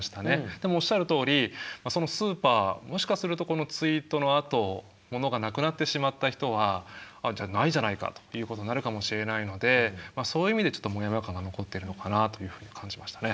でもおっしゃるとおりそのスーパーもしかするとこのツイートのあとものがなくなってしまった人はじゃあないじゃないかということになるかもしれないのでそういう意味でちょっとモヤモヤ感が残っているのかなというふうに感じましたね。